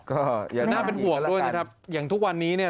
ก็น่าเป็นห่วงด้วยนะครับอย่างทุกวันนี้เนี่ย